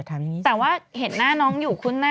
แต่ว่าเห็นหน้าน้องอยู่คุ้นหน้า